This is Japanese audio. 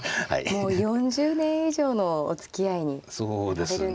もう４０年以上のおつきあいになられるんですね。